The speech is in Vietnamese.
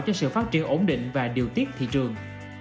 cho sự phát triển ổn định và điều tiết thị trường